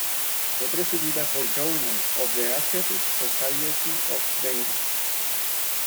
Fue precedida por "Journal of the Asiatic Society of Bengal".